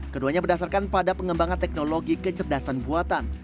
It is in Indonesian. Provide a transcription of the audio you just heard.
keduanya berdasarkan pada pengembangan teknologi kecerdasan buatan